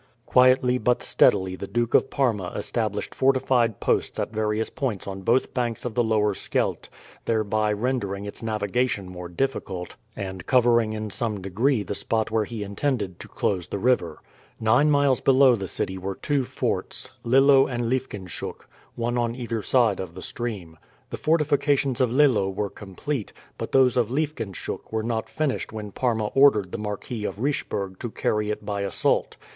Quietly but steadily the Duke of Parma established fortified posts at various points on both banks of the Lower Scheldt, thereby rendering its navigation more difficult, and covering in some degree the spot where he intended to close the river. Nine miles below the city were two forts Lillo and Liefkenshoek one on either side of the stream. The fortifications of Lillo was complete, but those of Liefkenshoek were not finished when Parma ordered the Marquis of Richebourg to carry it by assault.